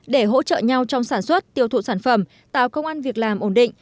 để hỗ trợ nhau trong sản xuất tiêu thụ sản phẩm tạo công an việc làm ổn định